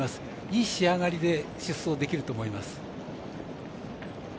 いい仕上がりで出走できると思います。